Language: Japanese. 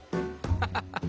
ハハハハ。